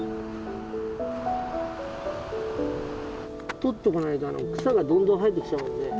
取っとかないと草がどんどん生えてきちゃうんで。